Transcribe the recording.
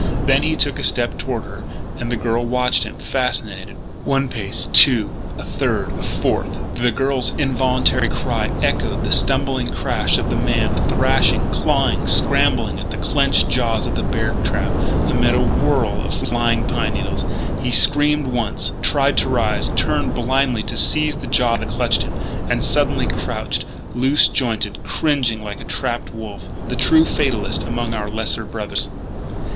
Then he took a step toward her. And the girl watched him, fascinated. One pace, two, a third, a fourth the girl's involuntary cry echoed the stumbling crash of the man thrashing, clawing, scrambling in the clenched jaws of the bear trap amid a whirl of flying pine needles. He screamed once, tried to rise, turned blindly to seize the jaws that clutched him; and suddenly crouched, loose jointed, cringing like a trapped wolf the true fatalist among our lesser brothers.